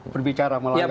berbicara melalui pasal itu